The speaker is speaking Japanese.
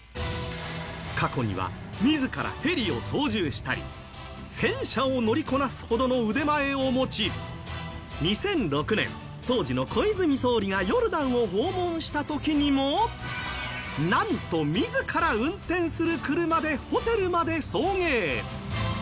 過去には自らヘリを操縦したり戦車を乗りこなすほどの腕前を持ち２００６年、当時の小泉総理がヨルダンを訪問した時にも何と自ら運転する車でホテルまで送迎。